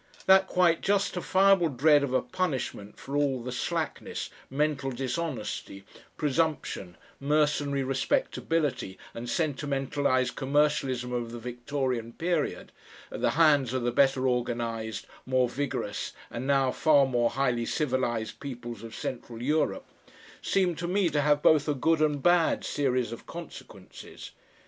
That quite justifiable dread of a punishment for all the slackness, mental dishonesty, presumption, mercenary respectability and sentimentalised commercialism of the Victorian period, at the hands of the better organised, more vigorous, and now far more highly civilised peoples of Central Europe, seemed to me to have both a good and bad series of consequences.